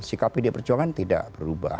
sikap pdi perjuangan tidak berubah